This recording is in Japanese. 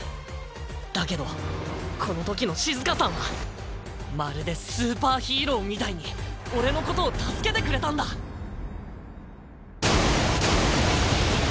だけどこのときのシズカさんはまるでスーパーヒーローみたいに俺のことを助けてくれたんだバリン！